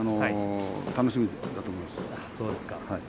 楽しみだと思います。